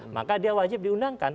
maka dia wajib diundangkan